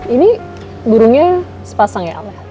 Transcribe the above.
ini burungnya sepasang ya amel